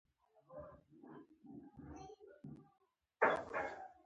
او د ښکار د پاره يې يو دوه سپي ساتلي وو